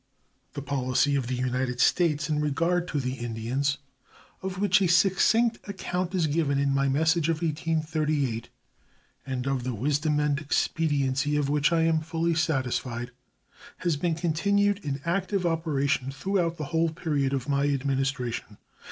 The policy of the United States in regard to the Indians, of which a succinct account is given in my message of 1838, and of the wisdom and expediency of which I am fully satisfied, has been continued in active operation throughout the whole period of my Administration.